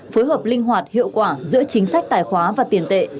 phối hợp linh hoạt hiệu quả giữa chính sách tài khoá và tiền tệ